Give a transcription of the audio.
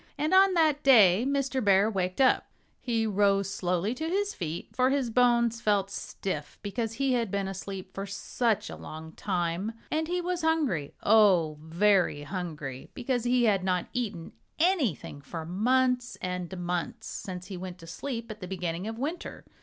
And on that day Mr. Bear waked up. He rose slowly to his feet, for his bones felt stiff because he had been asleep for such a long time. And he was hungry oh! very hungry, because he had not eaten anything for months and months, since he went to sleep at the beginning of winter.